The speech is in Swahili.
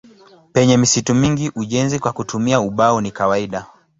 Penye misitu mingi ujenzi kwa kutumia ubao ni kawaida.